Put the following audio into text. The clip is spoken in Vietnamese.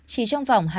chỉ trong vài năm